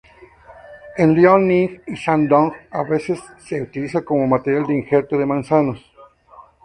En Liaoning y Shandong, a veces se utiliza como material de injerto de manzanos.